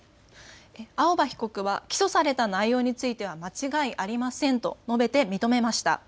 青葉被告は起訴された内容については間違いありませんと述べて認めました。